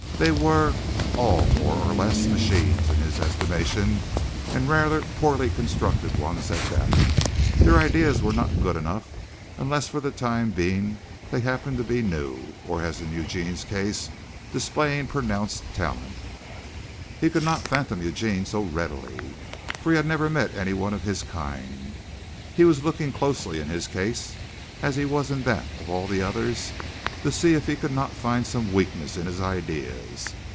They were all more or less machines in his estimation and rather poorly constructed ones at that. Their ideas were not good enough unless for the time being they happened to be new, or as in Eugene's case displaying pronounced talent. He could not fathom Eugene so readily, for he had never met anyone of his kind. He was looking closely in his case, as he was in that of all the others, to see if he could not find some weakness in his ideas.